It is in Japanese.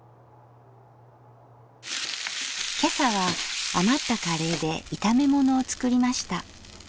今朝は余ったカレーで炒め物を作りました。